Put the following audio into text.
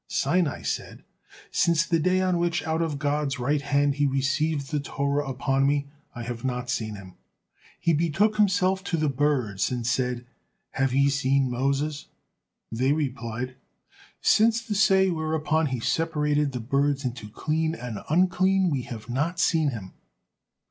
Sinai said, "Since the day on which out of God's right hand he received the Torah upon me, I have not seen him." He betook himself to the birds and said, "Have ye seen Moses?" They replied, "Since the say whereupon he separated the birds into clean and unclean we have not seen him."